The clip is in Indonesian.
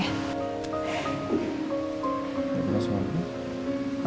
oke aku langsung ambil